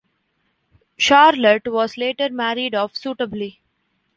Charlotte was later married off suitably.